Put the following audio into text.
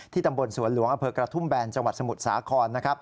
ตำบลสวนหลวงอำเภอกระทุ่มแบนจังหวัดสมุทรสาคร